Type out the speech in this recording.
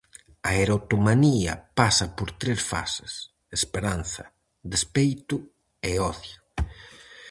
A erotomanía pasa por tres fases: esperanza, despeito e odio.